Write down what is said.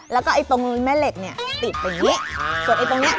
แล้วก็ตรงแม่เหล็กติดเป็นอย่างนี้